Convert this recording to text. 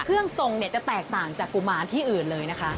เครื่องทรงเนี่ยจะแตกต่างจากกุมารที่อื่นเลยนะคะ